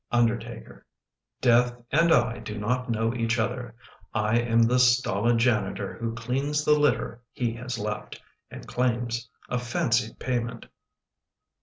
Undertaker Death and I do not know each other. I am the stolid janitor Who cleans the litter he has left And claims a fancied payment.